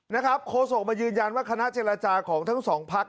โคศกมายืนยันว่าคณะเจรจาของทั้งสองพัก